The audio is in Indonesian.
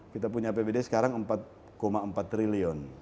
kita punya apbd sekarang empat empat triliun